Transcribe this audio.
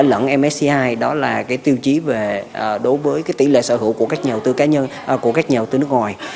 hay đó là cái tiêu chí về đối với cái tỷ lệ sở hữu của các nhà đầu tư nước ngoài